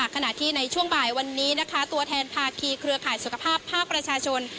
ขณะที่ในช่วงบ่ายวันนี้นะคะตัวแทนภาคีเครือข่ายสุขภาพภาคประชาชน